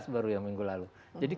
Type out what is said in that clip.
tiga belas baru yang minggu lalu jadi